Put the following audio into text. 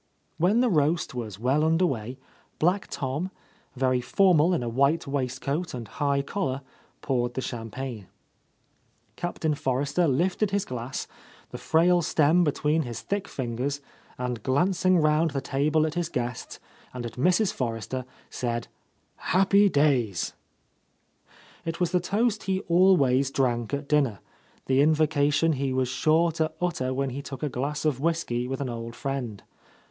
When the roast was well under way. Black Tom, very formal in a white waistcoat and high collar, poured the champagne. Captain For rester lifted his glass, the frail stem between his thick fingers, and glancing round the table at his guests and at Mrs. Forrester, said, "Happy days I" It was the toast he always drank at dinner, the invocation he was sure to utter when he took a — .?o — A Lost Lady glass of whiskey with an old friend.